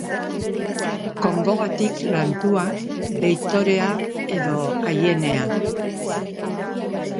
Kongogatik lantua, deitorea edo aienea.